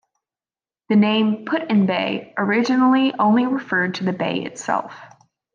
The name "Put-in-Bay" originally only referred to the bay itself.